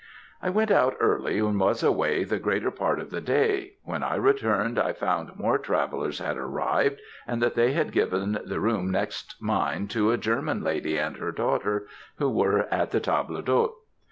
"I went out early, and was away the greater part of the day. When I returned I found more travellers had arrived, and that they had given the room next mine to a German lady and her daughter, who were at the table d'hôte.